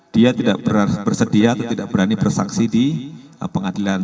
dia tidak bersedia atau tidak berani bersaksi di pengadilan